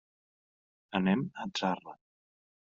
Anem a Zarra.